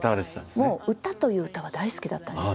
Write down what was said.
もう歌という歌は大好きだったんです。